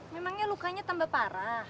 memangnya lukanya tambah parah